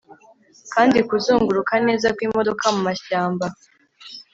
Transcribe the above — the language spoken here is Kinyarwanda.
Kandi kuzunguruka neza kwimodoka mumashyamba